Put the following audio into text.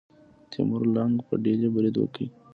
تیمور لنګ په ډیلي برید وکړ.